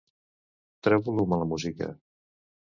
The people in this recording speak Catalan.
Treu volum a la música.